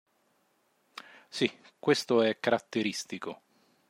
Sì, questo è caratteristico.